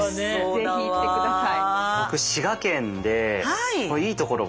是非行って下さい。